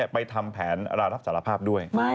ไปทำแผนรับสารภาพด้วย